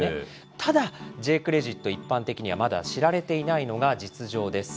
ただ、Ｊークレジット、一般的にはまだ知られていないのが実情です。